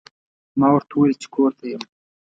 ما ورته وویل چې کور ته یم.